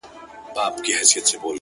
د هجرت غوټه تړمه روانېږم ـ